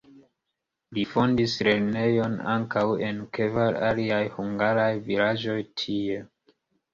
Li fondis lernejojn ankaŭ en kvar aliaj hungaraj vilaĝoj tie.